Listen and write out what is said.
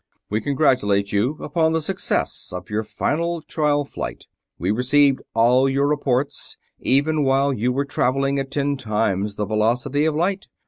"We congratulate you upon the success of your final trial flight. We received all your reports, even while you were traveling at ten times the velocity of light.